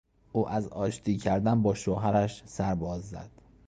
او از آشتی کردن با شوهرش سر باز زد.